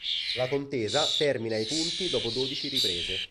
La contesa termina ai punti dopo dodici riprese.